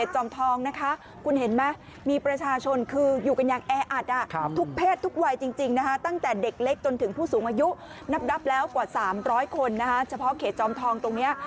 จอด๓๐๐คนนะฮะเฉพาะเขตจอมทองตรงนี้